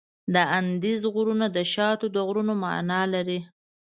د اندیز غرونه د شاتو د غرونو معنا لري.